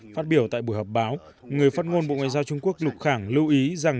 phát biểu tại buổi họp báo người phát ngôn bộ ngoại giao trung quốc lục khẳng lưu ý rằng